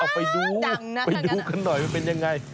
เอาไปดูกันหน่อยมันเป็นยังไง